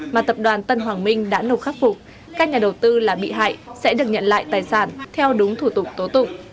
mà tập đoàn tân hoàng minh đã nộp khắc phục các nhà đầu tư là bị hại sẽ được nhận lại tài sản theo đúng thủ tục tố tụng